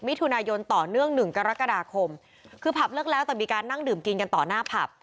มิถุนายนต่อเนื่องหนึ่งกรกฎาคมคือผับเลิกแล้วแต่มีการนั่งดื่มกินกันต่อหน้าผับ